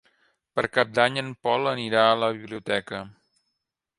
Per Cap d'Any en Pol anirà a la biblioteca.